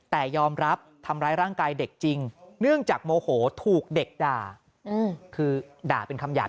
แต่ยอมรับทำร้ายร่างกายเด็กจริงเนื่องจากโมโหถูกเด็กด่าคือด่าเป็นคำหยาบ